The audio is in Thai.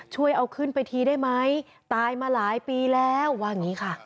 ช่วยเอาขึ้นไปทีได้ไหมตายมาหลายปีแล้วว่าอย่างนี้ค่ะ